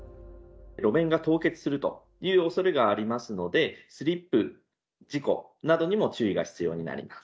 路面が凍結するというおそれがありますので、スリップ事故などにも注意が必要になります。